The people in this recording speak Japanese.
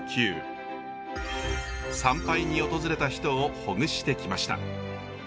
参拝に訪れた人をほぐしてきました。